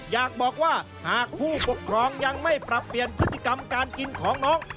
อยากบอกว่าหากผู้ปกครองยังไม่ปรับเปลี่ยนพฤติกรรมการกินของน้อง